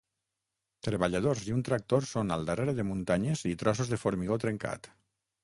Treballadors i un tractor són al darrere de muntanyes i trossos de formigó trencat.